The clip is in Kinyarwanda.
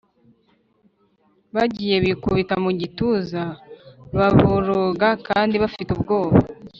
bagiye bikubita mu gituza, baboroga kandi bafite ubwoba